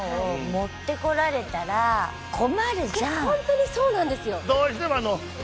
本当にそうなんですよ！